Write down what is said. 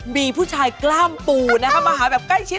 มีผู้ชายกล้ามปูนะคะมาหาแบบใกล้ชิด